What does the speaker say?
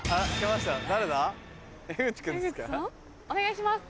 判定お願いします。